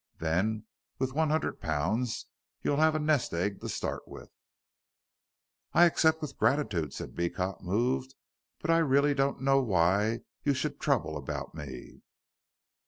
Then, with one hundred pounds you'll have a nest egg to start with." "I accept with gratitude," said Beecot, moved, "but I really don't know why you should trouble about me."